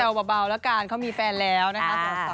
แซวเบาละกันเขามีแฟนแล้วนะครับ